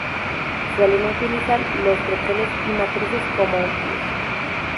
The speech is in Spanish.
Suelen utilizar los troqueles y matrices como útiles.